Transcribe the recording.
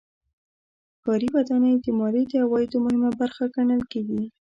ښاري ودانۍ د مالیې د عوایدو مهمه برخه ګڼل کېږي.